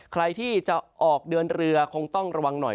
ใครที่จะออกเดินเรือคงต้องระวังหน่อย